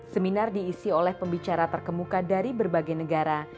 seminar diisi oleh pembicara terkemuka dari berbagai negara